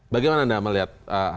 bagaimana anda melihat